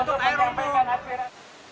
bau bau bau bau bau bau